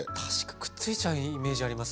くっついちゃうイメージあります。